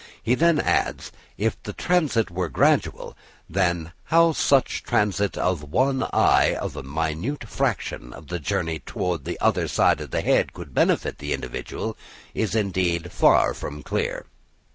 He then adds: "If the transit was gradual, then how such transit of one eye a minute fraction of the journey towards the other side of the head could benefit the individual is, indeed, far from clear.